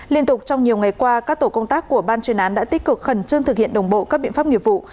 liên tục trong nhiều ngày qua các tổ công tác của ban chuyên án đã tích cực khẩn trương thực hiện đồng bộ các biện pháp nghiệp vụ